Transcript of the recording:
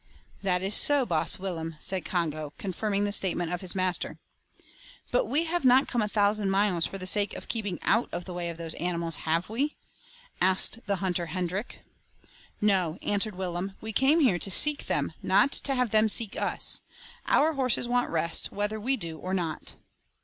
"That is so, Baas Willem," said Congo, confirming the statement of his master. "But we have not come a thousand miles for the sake of keeping out of the way of those animals, have we?" asked the hunter Hendrik. "No," answered Willem, "we came here to seek them, not to have them seek us. Our horses want rest, whether we do or not."